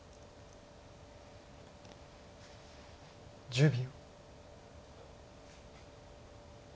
１０秒。